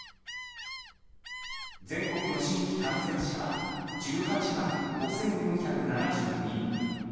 全国の新規感染者は１８万５４７２人。